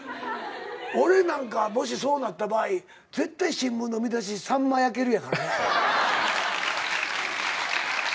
俺なんかはもしそうなった場合絶対新聞の見出し「さんま焼ける」やからね。